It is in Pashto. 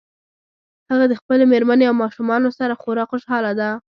هغه د خپلې مېرمنې او ماشومانو سره خورا خوشحاله ده